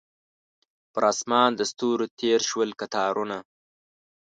پر اسمان د ستورو تیر شول کتارونه